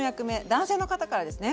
男性の方からですね。